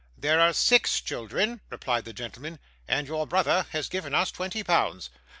'There are six children,' replied the gentleman, 'and your brother has given us twenty pounds.